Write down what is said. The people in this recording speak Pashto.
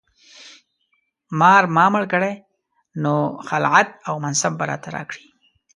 مار ما مړ کړی نو خلعت او منصب به راته راکړي.